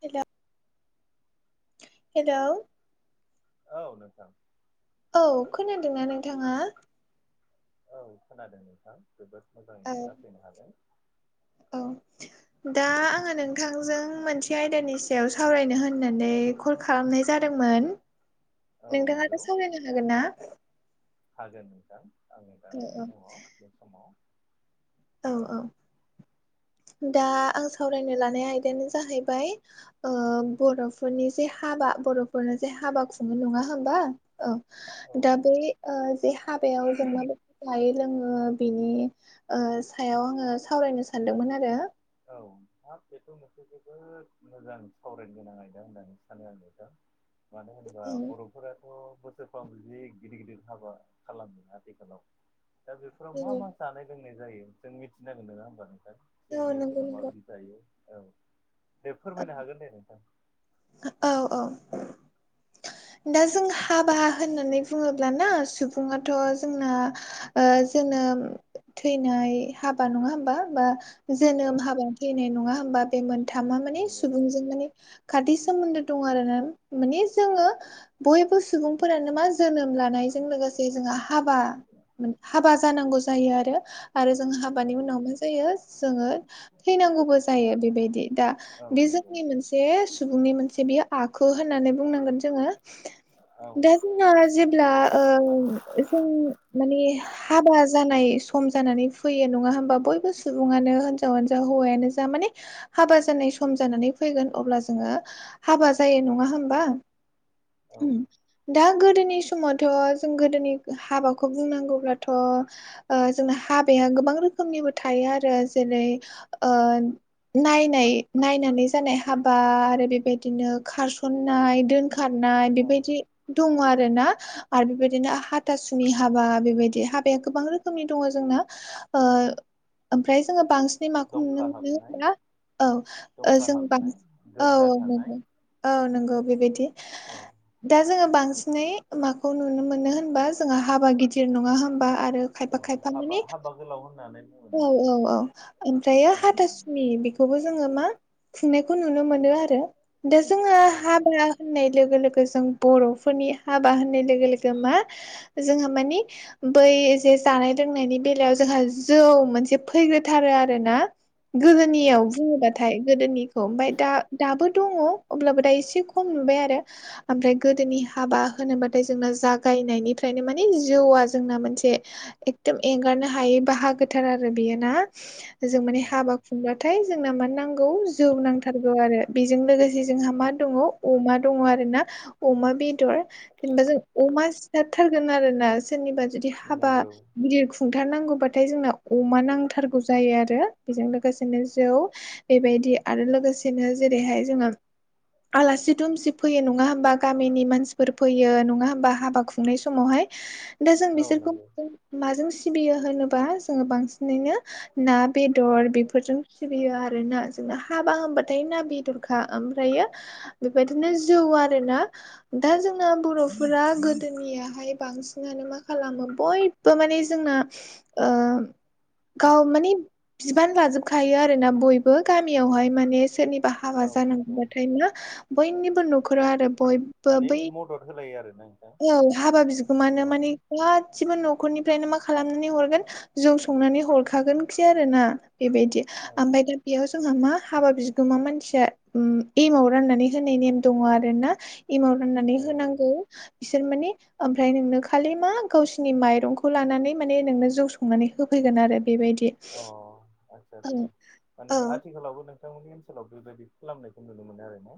[unintelligible] Hello औ नोंथां औ खोनादोंना नोंथाङा औ खोनादों नोंथां जोबोद मोजाङै औ खोनाफैनो हादोंं औ दा आङो नोंथांजों मोनसे आयदानि सायाव सावरायनो होननानै कल खालामनाय जादोंमोन औ नंगौ नोंथाङाथ' सावरायनो हागोन ना हागोन [unintelligible] आङो दा औ ओरैनो दङ बे समाव औ औ दा आं सावरायनो लानाय आयदायानो जाहैबाय ओ बर'फोरनि जे हाबा बर'फोरनो जे हाबा खुंनाय नङा होमबा औ औ दा बे नंगौ ओ जे हाबायाव जों माबायदि जायो लोङो बिनि ओ सायाव आङो सावरायनो सानदोंमोन आरो औ हाब बेथ' मोनसे जोबोद मोजां सावरायनो गोनां आयदा होननानै सानो आं नोंथां [inaudible] मानो होनबा बर'फोराथ' बोसोरफ्राम जि गिदिर गिदिर हाबा खालामो आथिखालाव दा बेफोराव मा औ मा जानाय लोंनाय जायो जों मिथिनांगोन नङा होमबा नोंथां औ सोरनि नंगौ ओनसोलाव नोंगौ माबायदि जायो औ दे फोरमायनो हागोन दे नोंथां औ औ दा जों हाबा होननानै बुङोब्लाना सुबुङाथ' जोंना ओ जोनोम थैनाय हाबा नङा होमबा बा औ जोनोम हाबा थैनाय नङा होमबा बे मोनथामा माने नंगौ सुबुंजों माने खाथि सोमोन्दो दं आरो ना माने जोङो बयबो सुबुंफोरानो मा जोनोम लानायजों लोगोसे जोंहा हाबा हाबा जानांगौ जायो आरो आरो जों हाबानि नंगौ उनाव मा जायो जोङो थैनांगौबो जायो बेबायदि दा औ बे नंगौ जोंनि मोन से सुबुंनि मोनसे बियो आखु होननानै बुंनांगोन जोङो औ दा जों ङो जेब्ला ओ जों माने हाबा जानाय सम जानानै फैयो नङा होमबा बयबो सुबुङानो हिनजावानो जा हौवायानो जा माने हाबा जानाय सम जानानै फैगोन अब्ला जोङो हाबा जायो नङा होमबा उम औ दा गोदोनि समावथ' जों गोदोनि हाबाखौ बुंनांगौब्लाथ' ओ जोंना हाबाया गोबां रोखोमनिबो थायो आरो जेरै ओ नायनाय नायनानै जानाय हाबा आरो बेबायदिनो खारसन्नाय दोनखार नाय औ बेबायदि दङ आरोना आरो बेबायदिनो हाथासुनि हाबा बेबायदि हाबाया गोबां रोखोमनि दङ जोंना ओ ओमफ्राय जोङो बांसिन माखौ नुनो दंखा मोनो हाबनाय होनब्ला औ दंखा जों हाबनाय बांसिन औ गोरजा औ थानाय नोंगौ औ नोंगौ बेबायदि औ दा जोङो बांसिनै माखौ नुनो मोनो होनबा जोंहा हाबा गिदिर नङा होनबा आरो खायफा औ खायफा हाबा माने हाबा गोलाव होननानै बुङो औ नोंथां औ औ बेबायदि ओमफ्रायो नायनानै हाथासुनि खौबो जोङो मा खुंनायखौ नुनो मोनो आरो दा जोङो औ औ हाबा होननाय लोगो लोगो जों बर'फोरनि हाबा होननाय लोगो लोगो मा जोंहा मानि बै जे जानाय लोंनायनि बेलायाव जोंहा जौ मोनसे फैग्रोथारो आरो ना औ गोदोनियाव नंगौ बुङोबाथाय गोदोनिखौ ओमफाय दा दाबो दङ अब्लाबो दा एसे खम नुबाय आरो ओमफ्राय गोदोनि हाबा होनोबाथाय जोंना जागायनायनिफ्रायनो माने जौआ जोंना मोनसे एकदम एंगारनो हायै बाहागो थार आरो बेयो ना जों माने नंगौ हाबा बाथाय जोंना मानो नांगौ जौ नांथारगौ आरो बेजों लोगोसे जे जोंहा मा दङ अमा दङ आरोना अमा बेदर जेनेबा जों अमा सिथारथारगोन आरोना सोरनिबा जुदि हाबा नंगौ गिदिर खुंथारनांगौबाथाय जोंना अमा नांथारगौ जायो आरो बेजों लोगोसेनो जौ बेबायदि आरो लोगोसेनो जेरैहाय जोङो आलासि दुमसि फैयो नङा होमबा गामिनि मानसिफोर फैयो नङा होमबा हाबा खुंनाय समावहाय दा जों औ बिसोरखौ नंगौ माजों सिबियो होनोबा जोङो बांसिन नैनो ना बेदर बेफोरजों सिबियो आरोना जोंना हाबा होनबाथाय ना बेदरखा ओमफ्रायो बेबायदिनो जौ आरोना दा जोंना बर'फोरा गोदोनियाहाय बांसिनानो मा खालामो बय बो माने जोंना ओ गाव मानि बिबान लाजोबखायो आरोना बयबो गामियावहाय माने सोरनि बा हाबा औ नंगौ जानांगबाथाय ना बयनिबो न'खराव आरो बय बो माने बै मदद होलायो आरोना नोंथां औ हाबा बिग गोमानो औ माने गासिबो न'खरनिफ्रायनो मा खालामनानै हरगोन जौ संनानै हरखागोनखि आरोना बेबायदि औ ओमफाय दा बेयाव जोंहा मा हाबा बिगोमा मानसिया एमाव राननानै होनाय नेम दङ आरोना एमाव राननानै ए होनांगौ बिसोर मानि ओमफ्राय नोंनो खालि मा गावसिनि माइरंखौ लानानै माने नोंनो जौ स संनानै होफैगोन आरो बेबायदि अ आदसा औ आदसा माने औ आथिखालावबो नों थांमोननि ओनसोलाव बेबायदि खालामनायखौ नुनो मोनो आरोना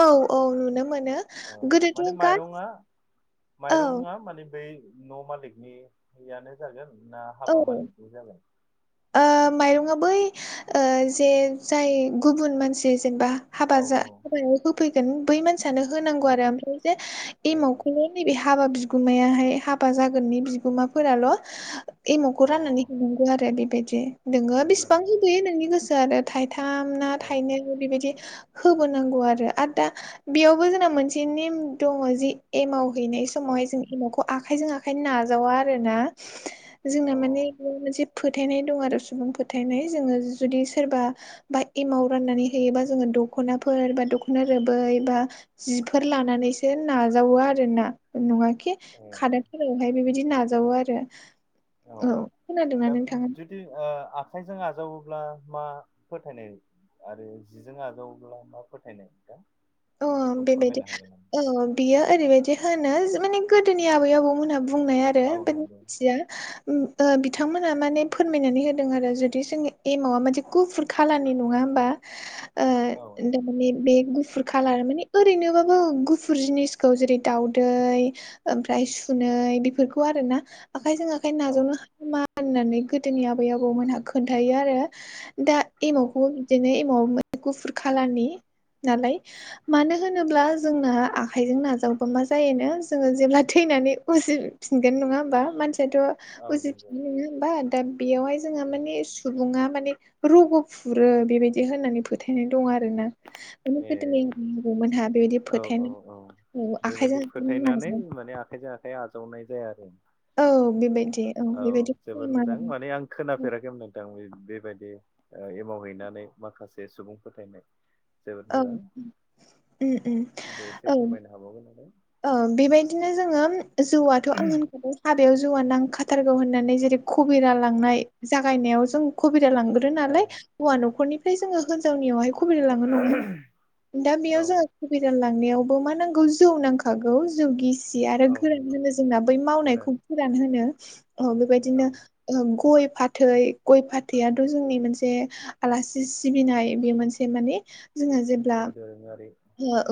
औ औ नुनो मोनो औ माने गोदोथ' गा माइरंआ औ माइरंआ माने बै न' मालिकनि हयानो जागोन ना हाबा औ मालिकनि जागोन? ओ माइरंआ बै ओ जे जाय गुबुन मानसि जेनेबा हाबा औ जा औ हाबायाव होफैगोन बै मानसियानो होनांगौ औ आरो ओमफ्रायसो ए एमावखौनो नैबे हाबा बिगुमायाहाय हाबा जागोननि बिगुमाफोराल' एमावखौ अ राननानै हरो आरो बेबायदि नोङो नंगौ बेसेबां नंगौ होबोयो नोंनि गोसो आरो थाइथाम ना औ थाइनै बेबायदि होबोनांगौ आरो आर दा बेयावबो जोंना मोनसे नेम दङ जि एमाव हैनाय समावहाय जों एमावखौ आखाइजों आखाइ नाजावा आरोना औ जोंना माने अ बे मोनसे फोथायनाय दं आरो सुबुं फोथायनाय जोङो जुदि सोरबा बा एमाव राननानै होयोबा जोङो दख'नाफोर बा दख'ना रोबै बा जिफोर लानानैसो नाजावो आरोना नङा खि ए खादा थलायावहाय बेबायदि नाजावो आरो। औ खोनादोंना दा नोंथाङा [unintelligible] जुदि ओ आखाइजों आजावोब्ला मा फोथायनाय आरो जिजों आजावब्ला मा फोथायनाय नोंथां? ओ बेबायदि ओ बियो ओरैबायदि होनो माने गोदोनि आबै आबौमोनहा बुंनाय आरो औ [unintelligible] नंगौ मिथिया ओ बिथांमोना माने फोरमायनानै होदों आरो जुदि जोंनि एमावआ मोनसे गुफुर कालारनि नङा होमबा ओ औ नंगौ थारमाने बे गुफुर मानि ओरैनोबाबो गुफुर जिनिसखौ जेरै दाउदै ओमफ्राय सुनै बेफोरखौ आरोना आखाइजों आखाइ औ नाजावनो हामा होननानै गोदोनि आबै आबौमोनहा खोन्थायो आरो दा औ एमावखौ बिदिनो एमाव गुफुर कालारनि नालाय मानो होनोब्ला जोंना आखाइजों नाजावोबा मा जायोनो जोङो जेब्ला थैनानै उजि फिनगोन नङा होमबा मानसियाथ' औ नंगौ उजिफिनगोन नङा होमबा दा बेयावहाय जोंहा मानि सुबुङा माने रग' फुरो बेबायदि होननानै फोथायनाय दं आरोना माने ए गोदोनि आबै आबौमोनहा बेबायदि औ औ फोथायनाय औ औ बेबायदि आखाइजों आखाइ फोथायनानै नाजाव माने आखाइजों आखाइ आजावनाय जाया आरो बेबायदि औ औ बेबायदि औ जोबोद मोजां उम माने आं खोनाफेराखैमोन नोंथां बेबायदि ओ एमाव हैनानै माखासे सुबुं फोथायनाय जोबोद औ औ ओम मोजां ओम दे ओं [unintelligible] ओ बेबायदिनो जोङो जौआथ' आं होनखाबाय हाबायाव जौआ नांखाथारगौ होननानै जेरै खबिरा लांनाय जागायनायाव जों खबिरा लांग्रो नालाय आरो हौवा न'खरनिफ्राय जोङो होनजावनियावहाय खबिरानो लङो नङा दा औ बेयाव जोङो खबिरा लांनायावबो मा नांगौ जौ नांखागौ जौ गिसि आरो औ गोरान नंगौ होनो जोंना बै मावनायखौ गोरान होनो अ औ बेबायदिनो गय फाथै गय फाथैआथ' जोंनि मोनसे आलासि सिबिनाय बे मोनसे माने जोङो जे दोरोङारि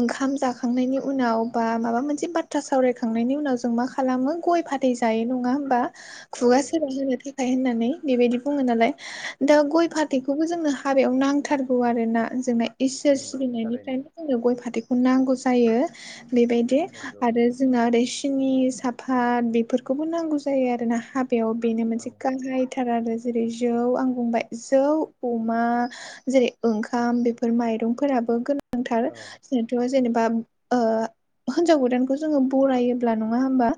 ओंखाम जाखांनायनि उनाव बा माबा मोनसे बाथ्रा सावरायखांनायनि उनाव जों मा खालामो गय फा थै जायो नङा होमबा, औ खुगा सोरा नंगौ होनो थाखाय होननानै बेबायदि बुङो नालाय दा गय फाथैखौबो जोंनो हाबायाव नांथारगौ आरो ना जोंनाय इसोर नंगौ थारैनो सिबिनायनिफ्रायनो जोङो गय फाथैखौ नांगौ जायो बेबायदि नंगौ आरो जोंना ओरै सिनि साफात बेफोरखौबो नांगौ जायो आरोना हाब बेयाव बेनो औ मोनसे गाहायथार आरो जेरै जौ आं बुंबाय जौ अमा जेरै ओंखाम बेफोर माइरंफोराबो गोनांथार औ जोंथ' जेनेबा हिन्जाव गोदानखौ जोङो बरायोब्ला नङा होमबा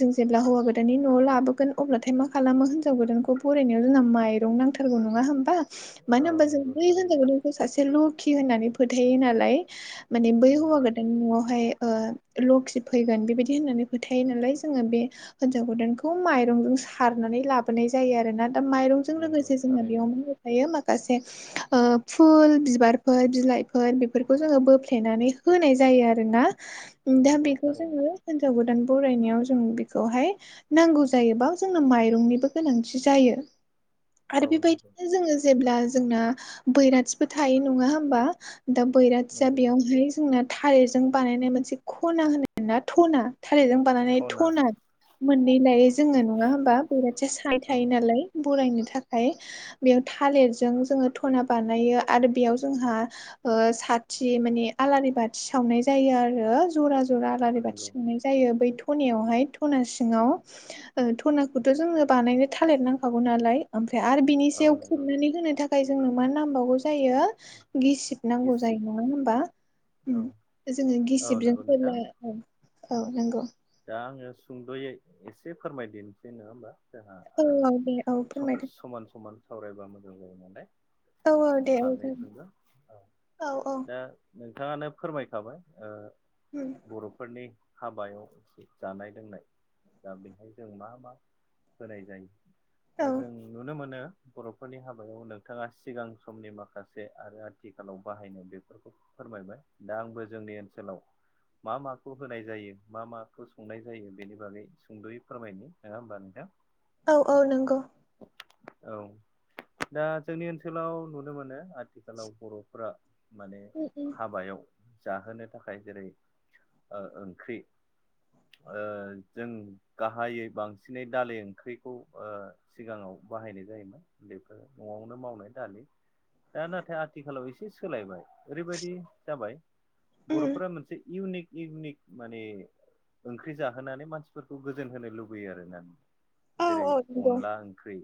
जों जेब्ला हौवा गोदाननि न'आव लाबोगोन अब्लाथाय मा खालामो हिनजाव गोदानखौ फरायनायाव जोंहा माइरं नांथा रगौ नङा होमबा मानो औ होमबा जों नंगौ बै होनजाव थारैनो गोदान सासे लखि होननानै फोथायो नालाय। माने बै हौवा नंगौ गोदान न'आवहाय ओ लखि फैगोन बेबायदि होननानै फोथायो नालाय जोङो बे हिनजाव गोदानखौ माइरंजों सारनानै लाबोनाय जायो आरो ना। दा माइरंजों नंगौ लोगोसे जोंहा थारैनो बेयावनो हायो माखासे ओ फुल बिबारफोर बिलाइफोर बे- बेफोरखौ जोङो बोफ्लेनानै होनाय जायो आरो ना। दा नंगौ बेखौ थारैनो जोङो हिनजाव गोदान बरायनायाव जों बेखौहाय नांगौ जायोबा जोंनो माइरंनिबो गोनांथि जायो। औ आरो नंगौ बेबायदिनो जोङो जेब्ला जोंना बैराथिबो थायो नङा होमबा दा- बैराथिया नंगौ बेयावहाय जोंना थालिरजों बानायनाय मोनसे खना होनोना ना धना। थालिरजों बानानै सना धना मोननै लायो जोङो नङा होमबा बैराथिया सानै औ थायो नालाय। बरायनो थाखाय बेयाव थालिरजों जोङो धना बानायो आरो बेयाव जोंहा ओ बाथि माने आलारि बाथि सावनाय जायो आरो जरा जरा आलारि बाथि नंगौ सावनाय जायो बै धनायावहाय धना सिङाव। ओ धनाखौथ' जोंनो बानायनो थालिर नांखागौ नालाय। ओमफ्राय आरो बिनि औ सायाव नंगौ खुबनानै होनो थाखाय जोंनो मा नांबावगौ जायो गिसिब नांगौ जा- गिसि जायो नङा होनबा उम औ जोङो औ गिसिबजों नंगौ नोंथां फैब्ला उम औ नंगौ दा आङो सुंद'यै एसे फोरमायदिनिसै नङा होमबा। जोंहा औ ओ औ दे औ स फोरमायदो समान समान सावरायबा मोजां जायो नालाय। औ औ दे औ जागोन फारनैथिंबो औ औ दा नोंथाङानो फोरमायखाबाय ओ उम बर'फोरनि हाबायाव जानाय-लोंनाय दा बेहाय जों मा मा होनाय औ जायो जों नुनो मोनो बर'फोरनि हाबायाव नोंथाङा सिगां समनि माखासे आरो आथिखालाव बाहायनाय बेफोरखौ फोरमायबाय दा आंबो जोंनि ओनसोलाव मा माखौ होनाय जायो मा मा खौ संनाय जायो बेनि बागै सुंद'यै फोरमायनि। नङा होमबा नोंथां? औ औ नंगौ औ दा जोंनि ओनसोलाव नुनो मोनो आथिखालाव बर'फोरा माने उम उम हाबायाव जाहोनो थाखाय जेरै ओ ओंख्रि ओ जों गाहायै बांसिनै दालि ओंख्रिखौ ओ सिगाङाव बाहायनाय जायोमोन बेफोर न'आवनो मावनाय दालि दा नाथाय आथिखालाव एसे सोलायबाय ओरैबायदि जाबाय उम बर'फोरा मोनसे इउनिक इउनिक माने ओंख्रि जाहोनानै मानसिफोरखौ गोजोन होनो लुबैयो आरो ना औ जेरै औ नंगौ अनला ओंख्रि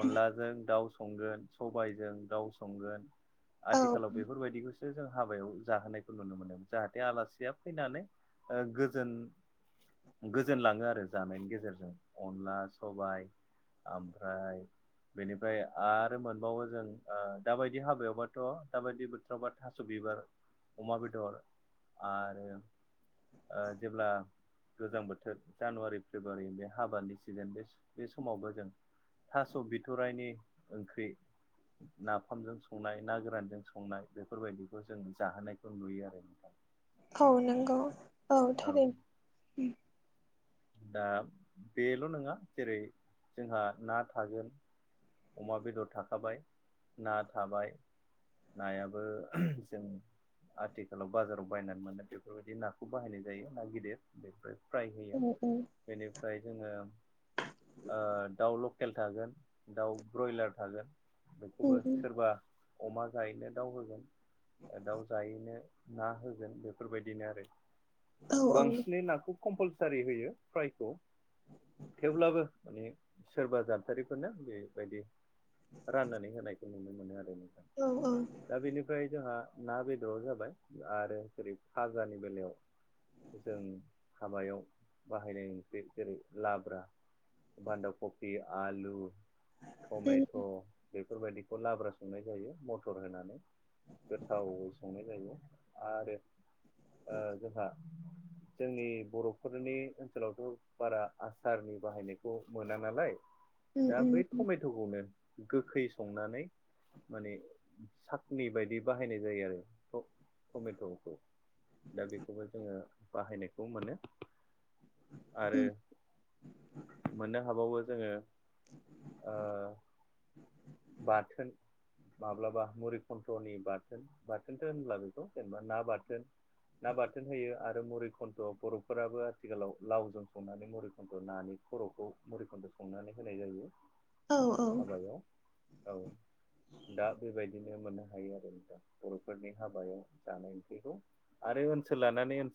अनलाजों दाउ संगोन सबायजों दाउ संगोन औ आथिखालाव बेफोरबायदिखौ- सो जों हाबायाव जाहोनायखौ नुनो मोन जाहाथे आलासिया फैनानै ओ गो- जोन गोजोनलाङो आरो जानायनि गेजेरजों अनला सबाय ओमफ्राय बेनिफ्राय आरो मोनबावो जों ओ दाबायदि हाबायावबाथ' दाबायदि बोथोरावबा थास' बिबार, अमा बेदर आरो ओ जेब्ला गोजां बोथोर जानुवारि फेब्रुवारि बे हाबानि सिजोन बे बे समावबो जों थास' बिथराइनि ओंख्रि नाफामजों संनाय ना गोरानजों संनाय बेफोरबायदिखौ जों जाहोनायखौ नुयो आरो नोंथां। औ नंगौ औ थारैनो दा बेल' नङा जेरै जोंहा ना थागोन अमा बेदर थाखाबाय ना थाबाय नायाबो जों आथिखालाव बाजाराव बायनानै मोना बेफोरबायदि नाखौ बाहायनाय जायो ना गिदिर बेनिफ्राय फ्राय औ होयो औ बेनिफ्राय जोङो ओ दाउ लकेल थागोन दाउ ब्रयलार थागोन उम बेखौबो उम सोरबा अमा जायैनो दाउ होगोन ओ दाउ जायैनो ना होगोन बेफोरबायदिनो आरो। औ औ बांसिनै नाखौ कम्पालसारि होयो फ्रायखौ थेवब्लाबो माने सोरबा जथारिफोरनो बेबायदि राननानै होनायखौ नुनो मोनो आरो नोंथां। औ - औ। दा बेनिफ्राय जोंहा ना, बेदर जाबाय आरो जेरै फाजानि बेलायाव जों हाबायाव बाहायनाय ओंख्रि जेरै लाब्रा बान्दा कफि, आलु, टमेट' बेफोरबायदिखौ लाब्रा संनाय जायो मटर होनानै। गोथावै संनाय जायो आरो ओ जोंहा जोंनि बर'फोरनि ओनसोलावथ' बारा आसारनि बाहायनायखौ मोना नालाय उम उम दा बै उम टमेट'खौनो गोखै संनानै माने साखनि बायदि बाहायनाय जायो आरो ट -टमेट'खौ। दा बेखौबो जोङो बाहायनायखौ मोनो। आरो उम मोननो हाबावो जोङो ओ बाथोन माब्लाबा मुरिखन्थ्र'नि बाथोन बाथोनथो होनब्ला बेखौ जेनेबा ना बाथोन। ना बा जों होयो आरो मुरिखुन्थ बर'फोराबो आथिखालाव लावजों संनानै मुरिखुन्थ' नानि खर'खौ मुरिखुन्द' संनानै होनाय जायो। [inaudible] औ हाबायाव औ दा बेबायदिनो मोननो हायो आरो नोंफ्राय बर'फोरनि हाबायाव जानाय [unintelligible] आरो ओनसोल लानानै ओनसोल